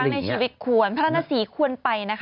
สักครั้งในชีวิตควรพระนาศรีควรไปนะคะ